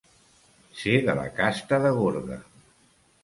Ser de la casta de Gorga.